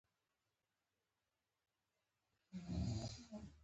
پښتو څېړنه د هند سفر او د ننګرهار سفر نور اثار دي.